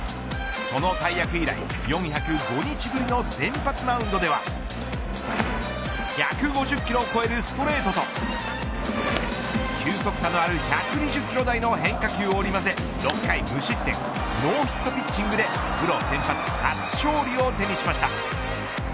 その大役以来４０５日ぶりの先発マウンドでは１５０キロを超えるストレートと球速差のある１２０キロ台の変化球を織り交ぜ６回無失点ノーヒットピッチングでプロ先発初勝利を手にしました。